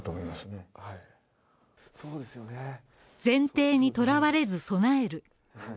前提にとらわれず備える。